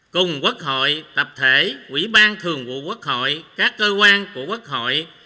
cùng quốc hội tập thể quỹ ban thường vụ quốc hội các cơ quan của quốc hội